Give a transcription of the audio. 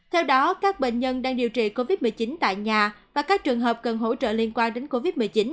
theo đó các bệnh nhân đang điều trị covid một mươi chín tại nhà và các trường hợp cần hỗ trợ liên quan đến covid một mươi chín